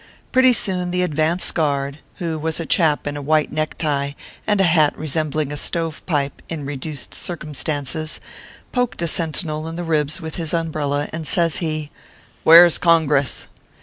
Pretty soon the advance guard, who was a chap in a white neck tie and a hat resembling a stove pipe in reduced circumstances, poked a sentinel in the ribs with his umbrella, and says he :" Where s Congress